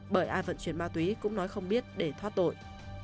bởi ai vận chuyển ma túy cũng nói không biết để thoát tội